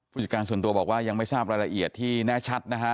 จัดการส่วนตัวบอกว่ายังไม่ทราบรายละเอียดที่แน่ชัดนะฮะ